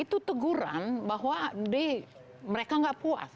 itu teguran bahwa mereka nggak puas